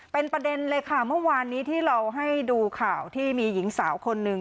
เป็นประเด็นเลยค่ะเมื่อวานนี้ที่เราให้ดูข่าวที่มีหญิงสาวคนหนึ่ง